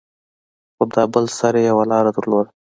خو دا بل سر يې يوه لاره درلوده.